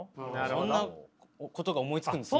そんなことが思いつくんですね。